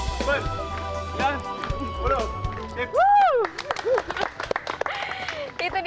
tuhan segera membantu kami mencari kesehatan